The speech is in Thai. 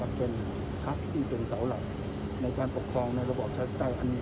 เป้นครับตัวสาวหลังในการปกครองในระบบชัดใจอันนี้